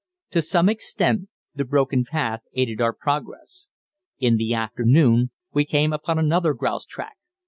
To some extent the broken path aided our progress. In the afternoon we came upon another grouse track.